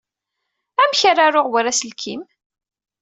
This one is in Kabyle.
Amek ara aruɣ war aselkim?